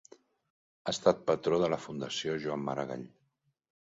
Ha estat patró de la Fundació Joan Maragall.